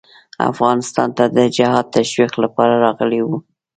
افغانستان ته د جهاد تشویق لپاره راغلي ول.